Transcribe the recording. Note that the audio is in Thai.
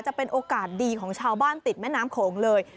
จะเป็นโอกาสดีของชาวบ้านติดแม่น้ำโขงเลย